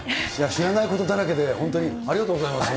知らないことだらけで、本当にありがとうございます。